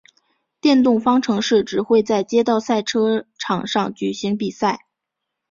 电动方程式只会在街道赛车场上举行比赛。